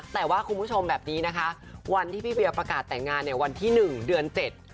แต่ว่าคุณผู้ชมแบบนี้นะคะวันที่พี่เวียประกาศแต่งงานเนี่ยวันที่หนึ่งเดือนเจ็ด